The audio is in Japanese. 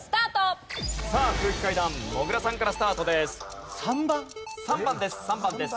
さあ空気階段もぐらさんからスタートです。